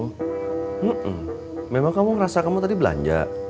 hmm memang kamu ngerasa kamu tadi belanja